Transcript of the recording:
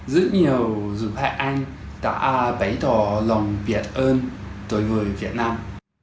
rất nhiều dụng hệ anh đã bấy tỏ lòng viện ơn tới người việt nam